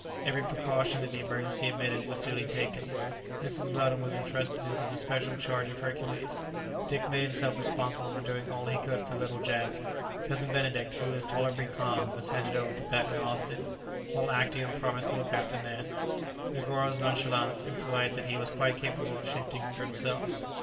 Every precaution that the emergency admitted was duly taken. Mrs. Weldon was entrusted to the special charge of Hercules; Dick made himself responsible for doing all he could for little Jack; Cousin Benedict, who was tolerably calm, was handed over to Bat and Austin; while Actæon promised to look after Nan. Negoro's nonchalance implied that he was quite capable of shifting for himself.